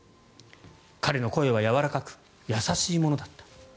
彼の声はやわらかく優しいものだった。